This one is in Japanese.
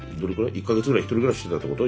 １か月ぐらい１人暮らししてたってこと？